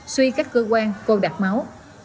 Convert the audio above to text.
suy các cơ quan vô đạt máu